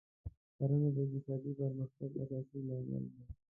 کرنه د اقتصادي پرمختګ اساسي لامل دی.